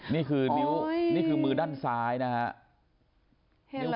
นี่คือมือด้านซ้ายนะฮะ